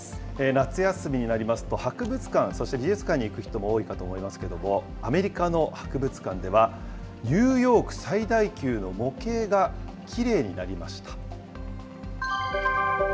夏休みになりますと、博物館、そして美術館に行く人も多いかと思いますけども、アメリカの博物館では、ニューヨーク最大級の模型がきれいになりました。